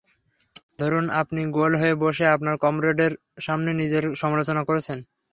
ধরুন, আপনি গোল হয়ে বসে আপনার কমরেডদের সামনে নিজের সমালোচনা করছেন।